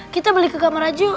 kita beli ke kamar aja yuk